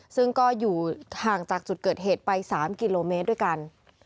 ซึ่งก็อยู่ห่างจากจุดเกิดเหตุไป๓กิโลเมตรด้วยกัน